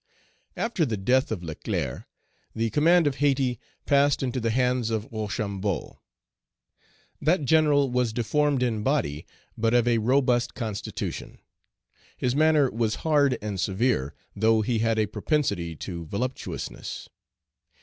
AFTER the death of Leclerc, the command of Hayti passed into the hands of Rochambeau. That General was deformed in body, but of a robust constitution; his manner was hard and severe, though he had a propensity to voluptuousness.